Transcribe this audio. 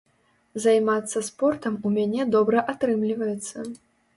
Займацца спортам у мяне добра атрымліваецца.